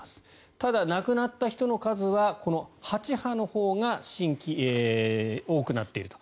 ただ、亡くなった人の数はこの８波のほうが多くなっていると。